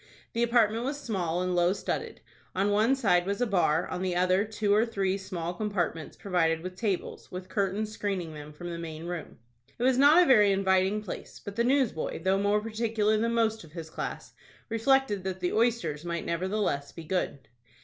The apartment was small, and low studded. On one side was a bar, on the other, two or three small compartments provided with tables, with curtains screening them from the main room. It was not a very inviting place, but the newsboy, though more particular than most of his class, reflected that the oysters might nevertheless be good.